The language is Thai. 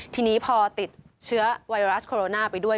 ทีนี้พอติดเชื้อไวรัสโคโรนาไปด้วย